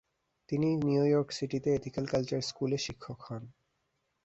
তিনি New York সিটিতে Ethical Culture স্কুলে শিক্ষক হন।